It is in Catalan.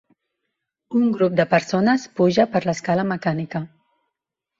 Un grup de persones puja per l'escala mecànica.